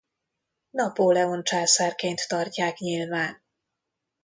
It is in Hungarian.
Napóleon császárként tartják nyilván.